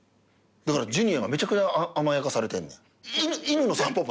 だからジュニアがめちゃくちゃ甘やかされてんねん。